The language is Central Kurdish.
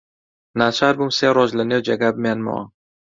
ناچار بووم سێ ڕۆژ لەنێو جێگا بمێنمەوە.